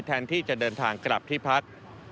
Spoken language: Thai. แทนที่จะเดินทางกลับที่พัก